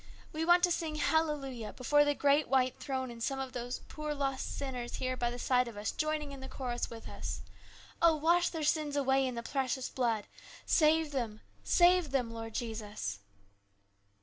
We want to sing hallelujah before the great white throne with some of these poor lost sinners here by the side of us joining in the chorus with us. Oh, wash their sins away in the precious blood ! Save them, save them, Lord Jesus